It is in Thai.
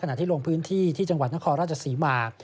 ที่ลงพื้นที่ที่จังหวัดนครราชศรีมา